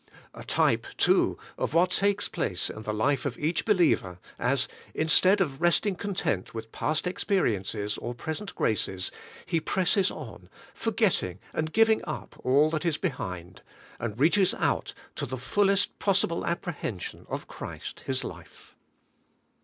A type, too, of what takes place in the life of each believer, as, instead of resting content with past experiences or present graces, he presses on, forgetting and giving up all that is behind, and reaches out to the fullest possible apprehension of Christ His life.